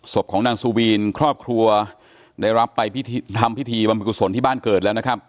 ศพของนางสุวีนครอบครัวได้รับไปทำพิธีบรรพิกุศลที่บ้านเกิดแล้วนะครับ